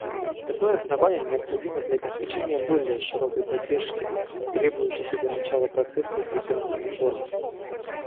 Такое основание необходимо для обеспечения более широкой поддержки, требующейся для начала процесса углубленных реформ.